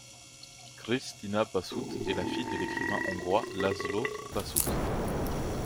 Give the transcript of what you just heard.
Krisztina Passuth est la fille de l'écrivain hongrois László Passuth.